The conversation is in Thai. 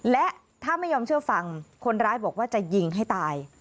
และถ้าไม่ยอมเชื่อฟังคนร้ายบอกว่าจะยิงให้ตาย